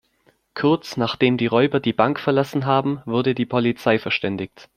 Kurz, nachdem die Räuber die Bank verlassen haben, wurde die Polizei verständigt.